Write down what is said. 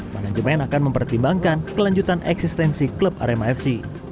manajemen akan mempertimbangkan kelanjutan eksistensi klub arema fc